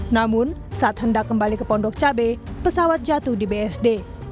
namun saat hendak kembali ke pondok cabai pesawat jatuh di bsd